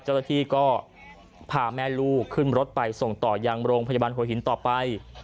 เจ้าหน้าที่ก็พาแม่ลูกขึ้นรถไปส่งต่อยังโรงพยาบาลหัวหินต่อไป